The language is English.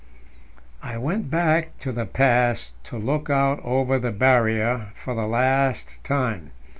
I went back to the pass to look out over the Barrier for the last time.